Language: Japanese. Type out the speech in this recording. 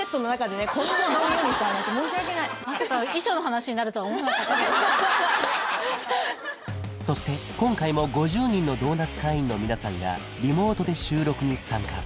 こんなどんよりした話申し訳ないそして今回も５０人のドーナツ会員の皆さんがリモートで収録に参加